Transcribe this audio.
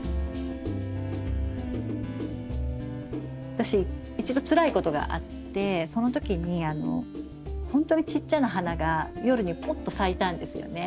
私一度つらいことがあってその時にほんとにちっちゃな花が夜にポッと咲いたんですよね。